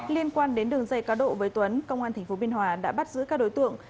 liên quan đến đường dày cáo độ với tuấn công an thành phố biên hòa đã bắt giữ các đối tượng